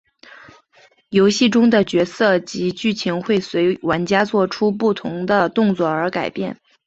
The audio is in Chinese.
游戏中的角色及剧情会随玩家作出的不同动作而改变。